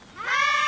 はい。